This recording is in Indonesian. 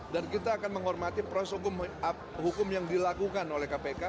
dan kita akan menghormati proses hukum yang dilakukan oleh kpk